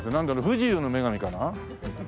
不自由の女神かな？